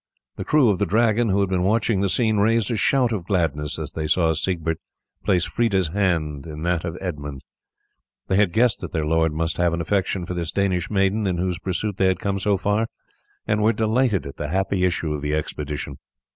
The crew of the Dragon, who had been watching the scene, raised a shout of gladness as they saw Siegbert place Freda's hand in that of Edmund. They had guessed that their lord must have an affection for this Danish maiden in whose pursuit they had come so far, and were delighted at the happy issue of the expedition.